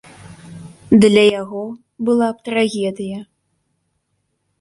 Для яго была б трагедыя.